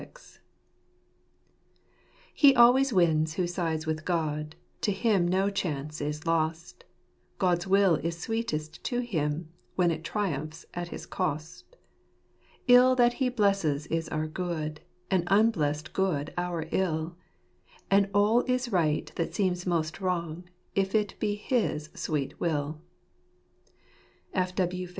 41 He always wins who sides with God — to him no chance is lost; God's will is sweetest to him, when it triumphs at his cost. Ill that He blesses is our good, and unblest good our ill ; And all is right that seems most wrong, if it be His sweet will." F.